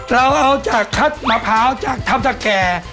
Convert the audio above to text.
เราเอาจากคัดมะพร้าวจากทัพตะแก่